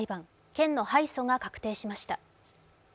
県の敗訴が確定しました。